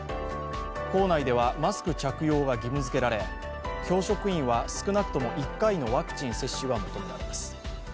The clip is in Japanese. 校内ではマスク着用が義務付けられ、教職員は少なくとも１回のワクチン接種が求められます。